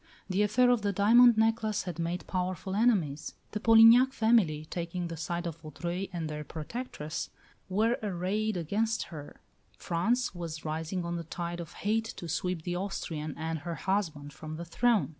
The affair of the diamond necklace had made powerful enemies; the Polignac family, taking the side of Vaudreuil and their protectress, were arrayed against her; France was rising on the tide of hate to sweep the Austrian and her husband from the throne.